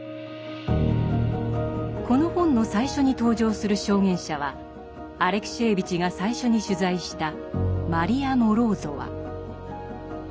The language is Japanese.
この本の最初に登場する証言者はアレクシエーヴィチが最初に取材したマリヤ・モローゾワ。